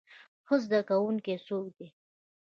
ښه زده کوونکی څوک دی؟